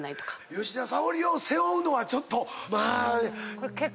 吉田沙保里を背負うのはちょっとまあ。